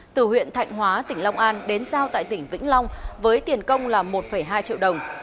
từ huyện thạnh hóa tỉnh long an đến giao tại tỉnh vĩnh long với tiền công là một hai triệu đồng